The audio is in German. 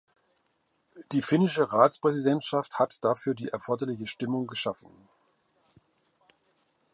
Die finnische Ratspräsidentschaft hat dafür die erforderliche Stimmung geschaffen.